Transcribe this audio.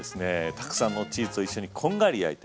たくさんのチーズと一緒にこんがり焼いて。